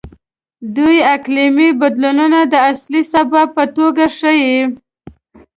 دوی اقلیمي بدلونونه د اصلي سبب په توګه ښيي.